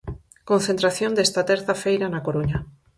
Concentración desta terza feira na Coruña.